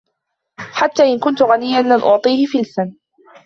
حتى إن كنت غنيًا، لن أعطيه فلسًا